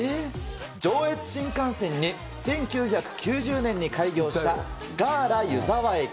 上越新幹線に１９９０年に開業したガーラ湯沢駅。